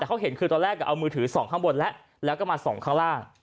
แต่เขาเห็นคือตอนแรกเอามือถือส่องข้างบนแล้วแล้วก็มาส่องข้างล่าง